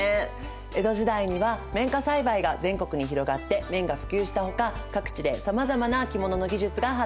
江戸時代には綿花栽培が全国に広がって綿が普及したほか各地でさまざまな着物の技術が発展しました。